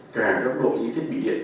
cả góc đội những thiết bị điện